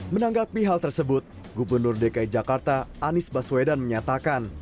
menanggapi hal tersebut gubernur dki jakarta anies baswedan menyatakan